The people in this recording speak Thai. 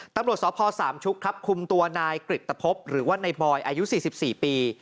ตำรวจสพสามชุกครับคุมตัวนายกริตภพหรือว่าในบอยอายุ๔๔ปี